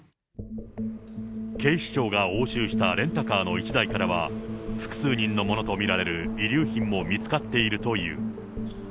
警視庁が押収したレンタカーの１台からは、複数人のものと見られる遺留品も見つかっているという。